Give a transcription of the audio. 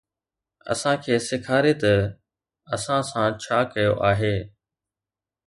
اسان کي سيکاري ته تو اسان سان ڇا ڪيو آهي